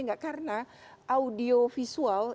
nggak karena audio visual